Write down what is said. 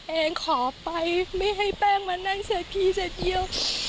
เองขอไปไม่ให้แป้งมานั่งเสียพี่เสียเที่ยว